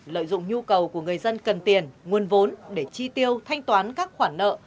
lợi dụng nhu cầu của người dân cần tiền nguồn vốn để chi tiêu thanh toán các khoản nợ